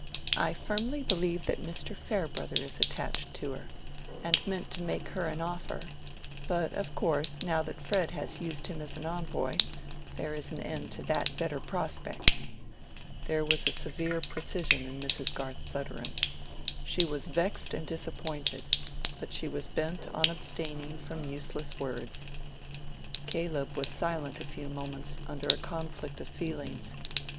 "I firmly believe that Mr. Farebrother is attached to her, and meant to make her an offer; but of course, now that Fred has used him as an envoy, there is an end to that better prospect." There was a severe precision in Mrs. Garth's utterance. She was vexed and disappointed, but she was bent on abstaining from useless words. Caleb was silent a few moments under a conflict of feelings.